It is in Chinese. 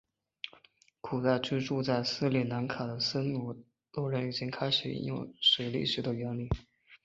古代居住在斯里兰卡的僧伽罗人就已经开始应用水力学的原理。